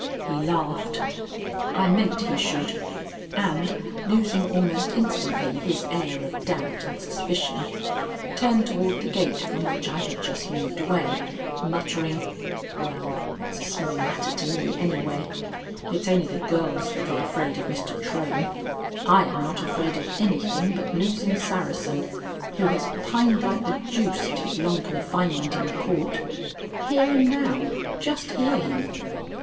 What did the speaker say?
He laughed. I meant he should, and, losing almost instantly his air of doubt and suspicion, turned toward the gate from which I had just moved away, muttering: "Well, it's a small matter to me anyway. It's only the girls that are afraid of Mr. Trohm. I am not afraid of anything but losing Saracen, who has pined like the deuce at his long confinement in the court. Hear him now; just hear him."